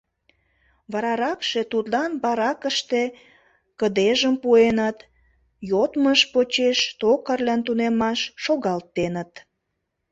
Вараракше тудлан баракыште кыдежым пуэныт, йодмыж почеш токарьлан тунемаш шогалтеныт.